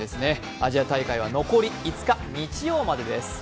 アジア大会は残り５日、日曜までです。